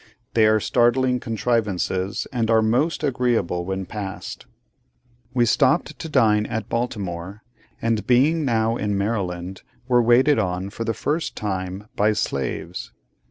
They are startling contrivances, and are most agreeable when passed. We stopped to dine at Baltimore, and being now in Maryland, were waited on, for the first time, by slaves.